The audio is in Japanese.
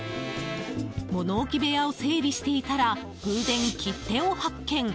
物置部屋を整理していたら偶然、切手を発見。